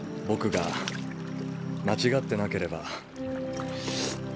僕が間違ってなければ。